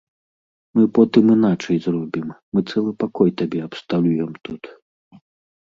Мы потым іначай зробім, мы цэлы пакой табе абсталюем тут.